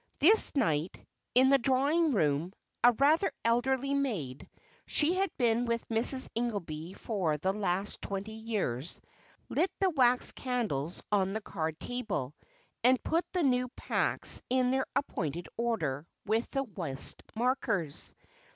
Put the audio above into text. This night, in the drawing room, a rather elderly maid she had been with Mrs. Ingelby for the last twenty years lit the wax candles on the card table, and put the new packs in their appointed order with the whist markers.